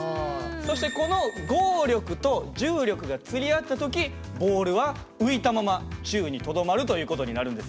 そしてこの合力と重力がつり合った時ボールは浮いたまま宙にとどまるという事になるんです。